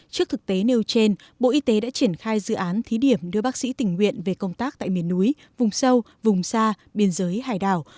trước thực tế nêu trên bộ y tế đã triển khai dự án thí điểm đưa bác sĩ tình nguyện về công tác tại miền núi vùng sâu vùng xa biên giới hải đảo